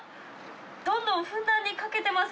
どんどんふんだんにかけてます。